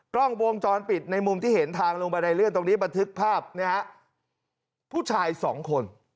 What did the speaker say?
กล้องวงจรปิดในมุมที่เห็นทางลงบันไดเลื่อนตรงนี้บันทึกภาพผู้ชายสองคน